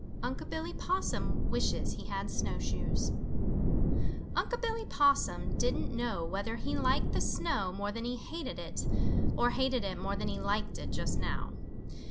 XX UNC' BILLY POSSUM WISHES HE HAD SNOWSHOES Unc' Billy Possum didn't know whether he liked the snow more than he hated it or hated it more than he liked it, just now.